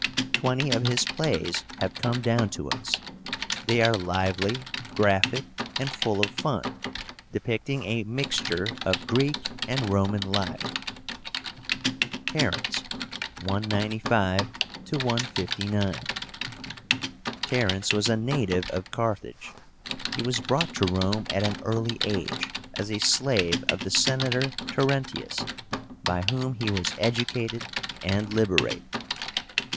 Twenty of his plays have come down to us. They are lively, graphic, and full of fun, depicting a mixture of Greek and Roman life. TERENCE (195 159). TERENCE was a native of Carthage. He was brought to Rome at an early age as a slave of the Senator Terentius, by whom he was educated and liberated.